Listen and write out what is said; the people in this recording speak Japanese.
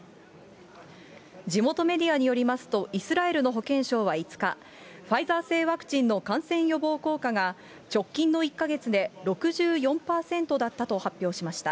地元メディアによりますと、イスラエルの保健省は５日、ファイザー製ワクチンの感染予防効果が、直近の１か月で６４％だったと発表しました。